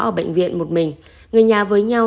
ở bệnh viện một mình người nhà với nhau